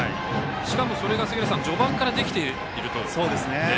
しかも、それが序盤からできているという。